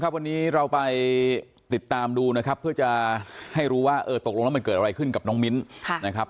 วันนี้เราไปติดตามดูนะครับเพื่อจะให้รู้ว่าเออตกลงแล้วมันเกิดอะไรขึ้นกับน้องมิ้นนะครับ